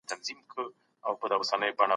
په کورنۍ کې ماشوم ته بد دعا نه ورکول کېږي.